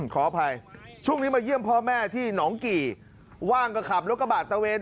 ขออภัยช่วงนี้มาเยี่ยมพ่อแม่ที่หนองกี่ว่างก็ขับรถกระบาดตะเวน